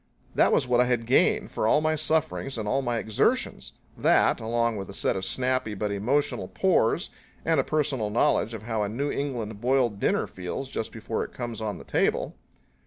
That was what I had gained for all my sufferings and all my exertions that, along with a set of snappy but emotional pores and a personal knowledge of how a New England boiled dinner feels just before it comes on the table.